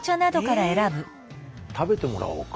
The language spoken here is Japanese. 食べてもらおうか。